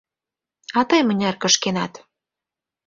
А тый мыняр кышкенат?